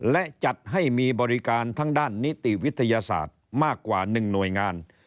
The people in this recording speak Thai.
และจัดให้มีบริการทั้งด้านนิติวิทยาศาสตร์มากกว่า๑หน่วยงาน